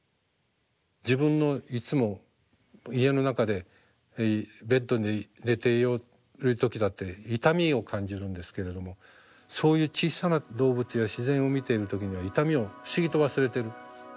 自分のいつも家の中でベッドに寝ている時だって痛みを感じるんですけれどもそういう小さな動物や自然を見ている時には痛みを不思議と忘れてる。